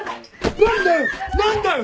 何だよ！？